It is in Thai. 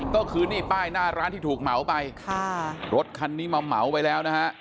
ก็คือนี่ป้ายหน้าร้านที่ถูกเหมาไปค่ะรถคันนี้มาเหมาไปแล้วนะฮะ